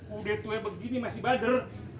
ude tuwe begini masih bader